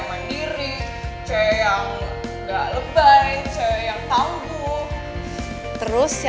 positive e pandasisnya